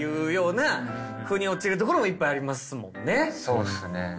そうっすね。